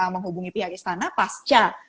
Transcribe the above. menghubungi pihak istana pasca